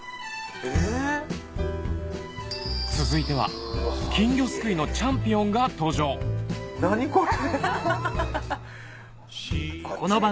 続いては金魚すくいのチャンピオンが登場何これ。